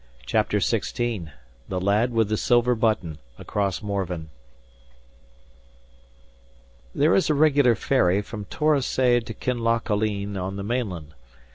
CHAPTER XVI THE LAD WITH THE SILVER BUTTON: ACROSS MORVEN There is a regular ferry from Torosay to Kinlochaline on the mainland.